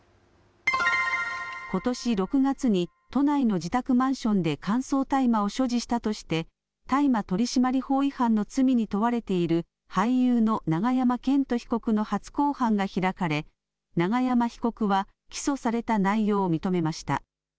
ことし６月に都内の自宅マンションで乾燥大麻を所持したとして、大麻取締法違反の罪に問われている俳優の永山絢斗被告の初公判が開かれ、永山被告は、起訴された内容を認めました。